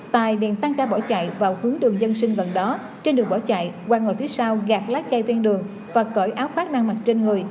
tài điện tăng ca bỏ chạy vào hướng đường dân sinh gần đó trên đường bỏ chạy quang ngồi phía sau gạt lá chai ven đường và cởi áo khoác năng mặt trên người